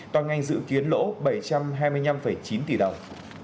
toàn ngành dự kiến lỗ bảy trăm hai mươi năm chín tỷ đồng